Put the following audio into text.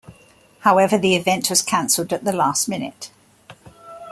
However the event was canceled at the last minute.